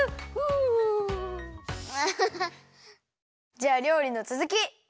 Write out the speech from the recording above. じゃありょうりのつづき！